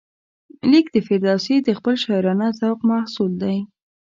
لیک د فردوسي د خپل شاعرانه ذوق محصول دی.